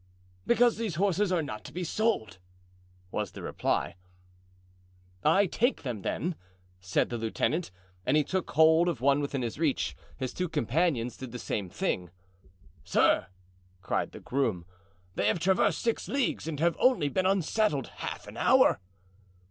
"Because these horses are not to be sold," was the reply. "I take them, then," said the lieutenant. And he took hold of one within his reach; his two companions did the same thing. "Sir," cried the groom, "they have traversed six leagues and have only been unsaddled half an hour."